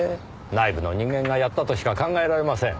内部の人間がやったとしか考えられません。